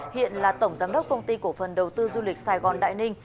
hiện là tổng giám đốc công ty cổ phần đầu tư du lịch sài gòn đại ninh